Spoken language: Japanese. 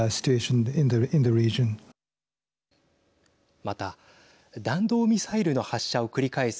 また、弾道ミサイルの発射を繰り返す